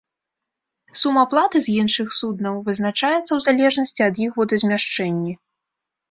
Сума платы з іншых суднаў вызначаецца ў залежнасці ад іх водазмяшчэнні.